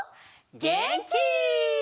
げんき！